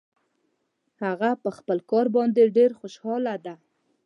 هغه په خپل کار باندې ډېر خوشحاله ده